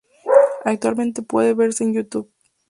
Actualmente puede verse en Youtube.